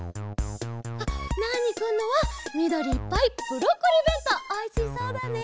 あっナーニくんのはみどりいっぱいブロッコリーべんとうおいしそうだね！